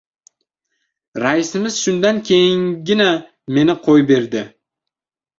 Raisimiz shundan keyingina meni qo‘yberdi.